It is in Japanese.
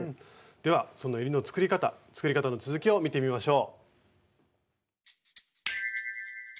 ではそのえりの作り方作り方の続きを見てみましょう。